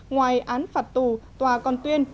ngoài án phạt tù tòa còn tuyên